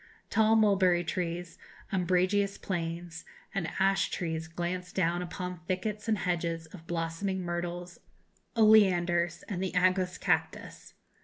Tall mulberry trees, umbrageous planes, and ash trees glance down upon thickets and hedges of blossoming myrtles, oleanders, and the aguus cactus.